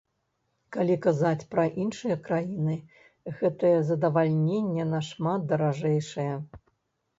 Калі казаць пра іншыя краіны, гэтае задавальненне нашмат даражэйшае.